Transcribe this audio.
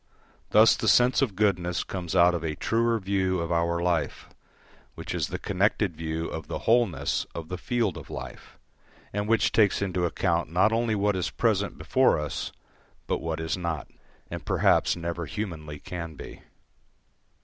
Thus the sense of goodness comes out of a truer view of our life, which is the connected view of the wholeness of the field of life, and which takes into account not only what is present before us but what is not, and perhaps never humanly can be.